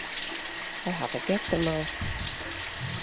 Hy hat de gek dermei.